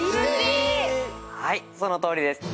はいそのとおりです。